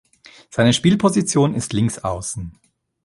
Seine Spielposition ist Linksaußen.